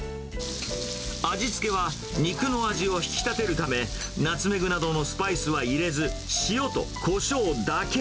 味付けは、肉の味を引き立てるため、ナツメグなどのスパイスは入れず、塩とこしょうだけ。